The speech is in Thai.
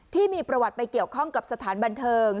ที่มีประวัติไปเกี่ยวข้องกับสถานบันเทิง